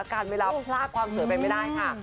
การเวลาพลาดความสวยไปไม่ได้ค่ะ